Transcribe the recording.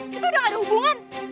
kita udah ada hubungan